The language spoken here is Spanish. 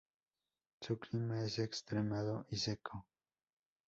Su clima es extremado y seco.